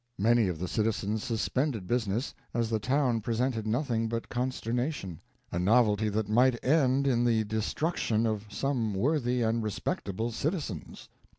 Many of the citizen suspended business, as the town presented nothing but consternation. A novelty that might end in the destruction of some worthy and respectable citizens.